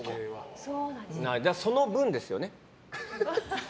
だから、その分ですよね。